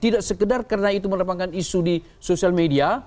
tidak sekedar karena itu mendapatkan isu di sosial media